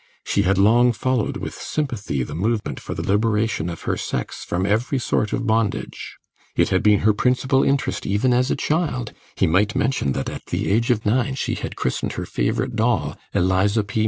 She had long followed with sympathy the movement for the liberation of her sex from every sort of bondage; it had been her principal interest even as a child (he might mention that at the age of nine she had christened her favourite doll Eliza P.